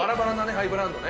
ハイブランドね